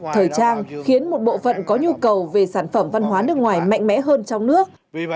thời trang khiến một bộ phận có nhu cầu về sản phẩm văn hóa nước ngoài mạnh mẽ hơn trong nước